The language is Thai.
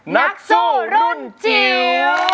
นักสู้รุ่นจิ๋ว